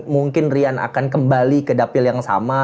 mungkin rian akan kembali ke dapil yang sama